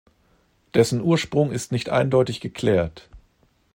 Dessen Ursprung ist nicht eindeutig geklärt.